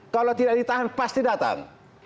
kalau tidak ditahan pasti datang